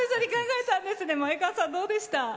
前川さん、どうでした？